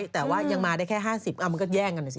แต่ว่ายังมาได้แค่๕๐มันก็แย่งกันนะสิ